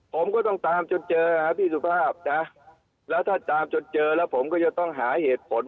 ผมก็ต้องตามจดเจอฮะถ้าตามจดเจอแล้วผมก็จะหาเหตุผล